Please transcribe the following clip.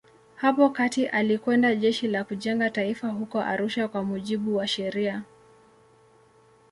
Hapo kati alikwenda Jeshi la Kujenga Taifa huko Arusha kwa mujibu wa sheria.